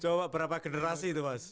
coba berapa generasi itu mas